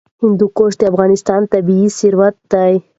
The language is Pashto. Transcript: هندوکش د افغانستان طبعي ثروت دی.